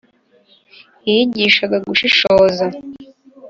iyigishaga gushishoza,